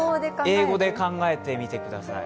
英語で考えてみてください。